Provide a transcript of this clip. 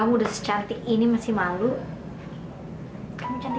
makasih ya nun